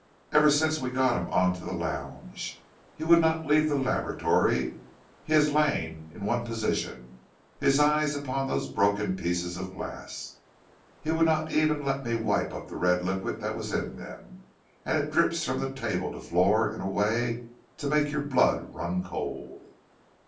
Ever since we got him on the lounge he would not leave the laboratory he has lain in one position, his eye upon those broken pieces of glass. He would not even let me wipe up the red liquid that was in them, and it drips from table to floor in a way to make your blood run cold.'